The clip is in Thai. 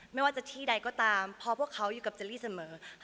ไม่ว่าจะที่ใดก็ตามเพราะพวกเขาอยู่กับเจลลี่เสมอ